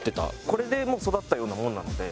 これでもう育ったようなものなんで。